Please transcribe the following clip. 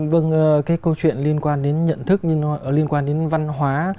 vâng cái câu chuyện liên quan đến nhận thức liên quan đến văn hóa